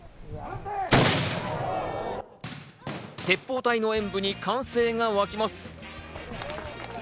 鉄砲隊の演武に歓声がわきます。